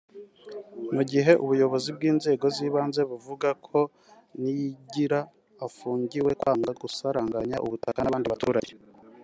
Mu gihe ubuyobozi bw’inzego z’ibanze buvuga ko Niyigira afungiwe kwanga gusaranganya ubutaka n’abandi baturage